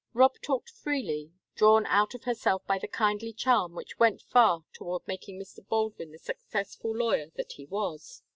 Rob talked freely, drawn out of herself by the kindly charm which went far toward making Mr. Baldwin the successful lawyer that he was.